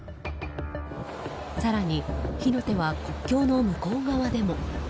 更に、火の手は国境の向こう側でも。